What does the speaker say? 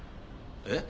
え？